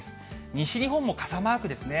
西日本も傘マークですね。